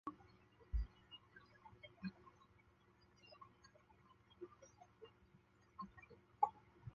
毛泽东主席的长子毛岸英作为白俄罗斯第一方面军坦克连指导员，转战千里，直至攻克柏林。